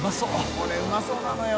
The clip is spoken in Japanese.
これうまそうなのよ。